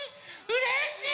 うれしい！